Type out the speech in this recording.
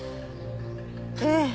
ええ。